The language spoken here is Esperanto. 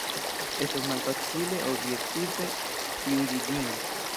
Estas malfacile objektive juĝi ĝin.